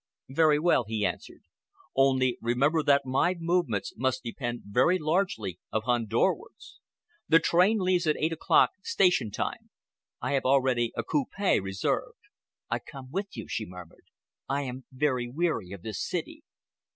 "Very well," he answered, "only remember that my movements must depend very largely upon Dorward's. The train leaves at eight o'clock, station time. I have already a coupe reserved." "I come with you," she murmured. "I am very weary of this city."